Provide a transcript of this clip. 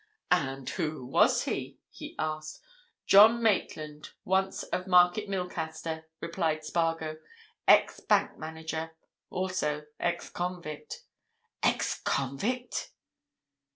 "And who was he?" he asked. "John Maitland, once of Market Milcaster," replied Spargo. "Ex bank manager. Also ex convict." "Ex convict!"